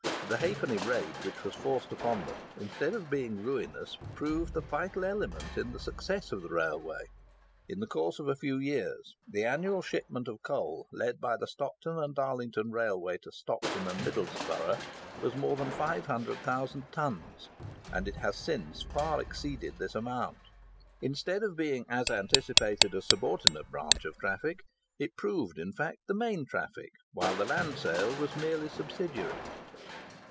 The ½d. rate which was forced upon them, instead of being ruinous, proved the vital element in the success of the railway. In the course of a few years, the annual shipment of coal, led by the Stockton and Darlington Railway to Stockton and Middlesborough, was more than 500,000 tons; and it has since far exceeded this amount. Instead of being, as anticipated, a subordinate branch of traffic, it proved, in fact, the main traffic, while the land sale was merely subsidiary.